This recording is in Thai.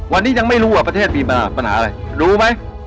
วันนี้ยังไม่รู้ว่าประเทศมีปัญหาอะไรรู้ไหม